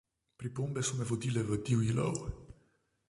Pripombe so me vodile v divji lov.